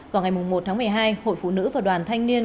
vào ngày một tháng một mươi hai hội phụ nữ và đoàn thanh niên